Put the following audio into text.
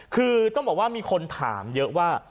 คือต้องบอกว่ามีคนถามเยอะว่า